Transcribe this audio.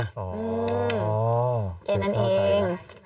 อ๋อแกนั่นเอง